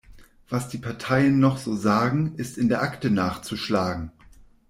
Was die Parteien noch so sagen, ist in der Akte nachzuschlagen.